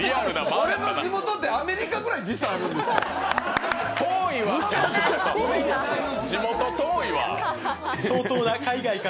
俺の地元ってアメリカぐらい時差あるんですか！？